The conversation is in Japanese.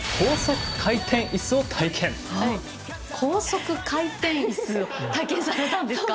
高速回転イスを体験されたんですか？